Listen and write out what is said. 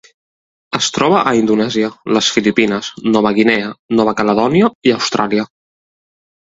Es troba a Indonèsia, les Filipines, Nova Guinea, Nova Caledònia i Austràlia.